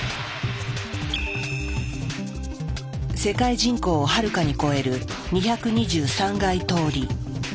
世界人口をはるかに超える２２３垓通り。